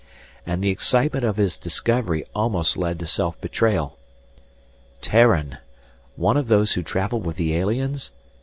And the excitement of his discovery almost led to self betrayal! Terran! One of those who traveled with the aliens?